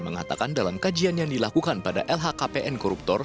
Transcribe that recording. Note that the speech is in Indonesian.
mengatakan dalam kajian yang dilakukan pada lhkpn koruptor